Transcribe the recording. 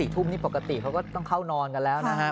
ทุ่มนี่ปกติเขาก็ต้องเข้านอนกันแล้วนะฮะ